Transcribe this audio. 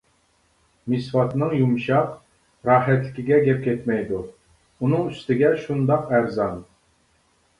مىسۋاكنىڭ يۇمشاق، راھەتلىكىگە گەپ كەتمەيدۇ، ئۇنىڭ ئۈستىگە شۇنداق ئەرزان.